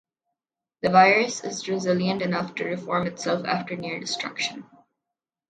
The virus is resilient enough to reform itself after near-destruction.